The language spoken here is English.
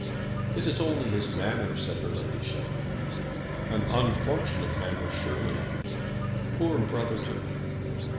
"It is only his manner," said her ladyship. "An unfortunate manner, surely." "Poor Brotherton!"